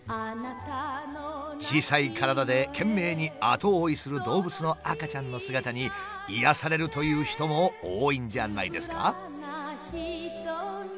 小さい体で懸命に後追いする動物の赤ちゃんの姿に癒やされるという人も多いんじゃないですか？